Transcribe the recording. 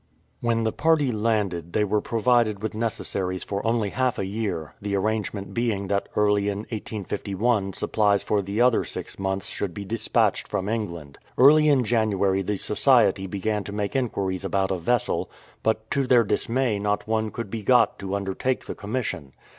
When the party landed they were provided with neces saries for only half a year, the arrangement being that 249 AT. BANNER COVE early in 1851 supplies for the other six months should be dispatched from England. Early in January the Society began to make inquiries about a vessel, but to their dis may not one could be got to undertake the commission.